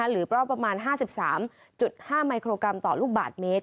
หรือว่าประมาณ๕๓๕มิโครกรัมต่อลูกบาทเมตร